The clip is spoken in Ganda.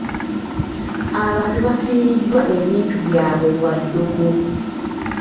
Abantu bafiiriddwa ebintu byabwe lwa ddogo.